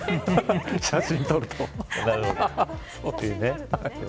写真撮ると。